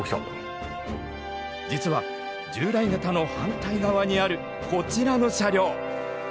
実は従来型の反対側にあるこちらの車両。